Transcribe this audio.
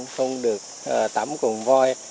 không được tắm cùng voi